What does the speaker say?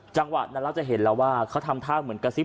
จังหวะนั้นเราจะเห็นแล้วว่าเขาทำท่าเหมือนกระซิบ